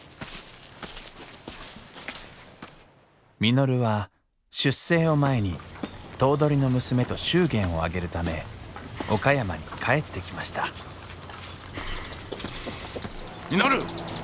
稔は出征を前に頭取の娘と祝言を挙げるため岡山に帰ってきました稔！